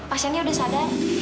pak bu pasiennya udah sadar